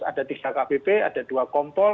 ada tiga kpp ada dua kompol